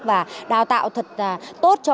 và đào tạo thật tốt cho